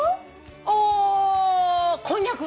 おーこんにゃく。